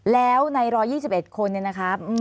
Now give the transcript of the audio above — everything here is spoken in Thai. แล้วใน๑๒๑คนเนี่ยนะครับ